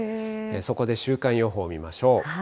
そこで週間予報を見ましょう。